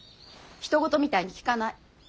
ひと事みたいに聞かない。